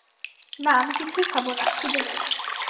না, আমি কিছুই খাব না, খিদে নেই।